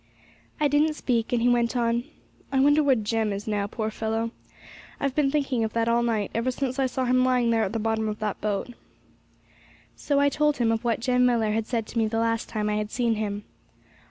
I didn't speak, and he went on, 'I wonder where Jem is now, poor fellow; I've been thinking of that all night, ever since I saw him lying there at the bottom of that boat.' So I told him of what Jem Millar had said to me the last time I had seen him.